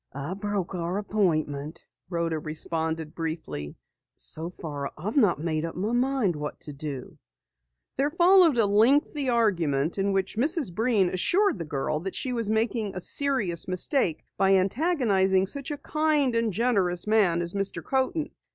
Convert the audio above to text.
"I broke our appointment," Rhoda responded briefly. "So far I've not made up my mind what to do." There followed a lengthy argument in which Mrs. Breen assured the girl that she was making a serious mistake by antagonizing such a kind, generous man as Mr. Coaten.